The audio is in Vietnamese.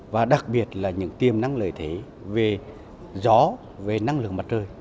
và đặc biệt là những tiềm năng lợi thế về gió về năng lượng mặt trời